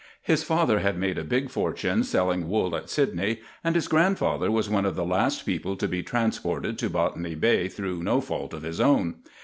His father had made a big fortune selling wool at Sydney, and his grandfather was one of the last people to be transported to Botany Bay through no fault of his own.